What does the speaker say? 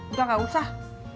udah gak usah